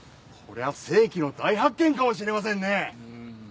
こりゃ世紀の大発見かもしれませんね！